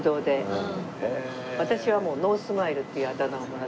私は「ノースマイル」っていうあだ名をもらった。